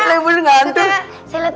kayak masalah jelek masalah